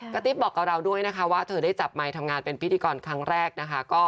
ติ๊บบอกกับเราด้วยนะคะว่าเธอได้จับไมค์ทำงานเป็นพิธีกรครั้งแรกนะคะ